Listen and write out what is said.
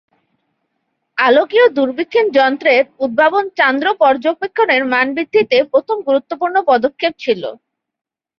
আলোকীয় দূরবীক্ষণ যন্ত্রের উদ্ভাবন চান্দ্র পর্যবেক্ষণের মান বৃদ্ধিতে প্রথম গুরত্বপূর্ণ পদক্ষেপ ছিল।